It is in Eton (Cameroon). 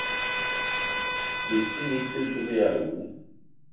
Issinga ite dug èè àwu